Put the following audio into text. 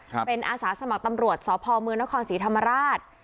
ครับเป็นอาสาสมัครตำรวจสพมนศรีธรรมราช